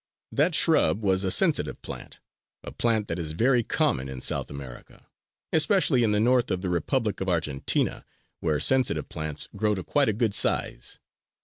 That shrub was a Sensitive plant, a plant that is very common in South America, especially in the North of the Republic of Argentina, where Sensitive plants grow to quite a good size.